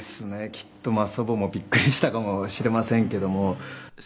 「きっと祖母もびっくりしたかもしれませんけども」